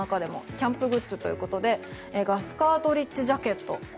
キャンプグッズということでガスカートリッジジャケット。